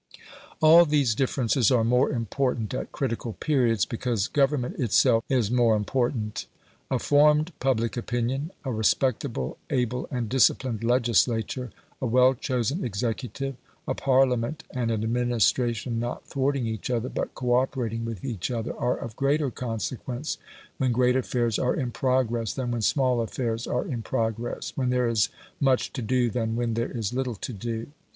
All these differences are more important at critical periods, because government itself is more important. A formed public opinion, a respectable, able, and disciplined legislature, a well chosen executive, a Parliament and an administration not thwarting each other, but co operating with each other, are of greater consequence when great affairs are in progress than when small affairs are in progress when there is much to do than when there is little to do.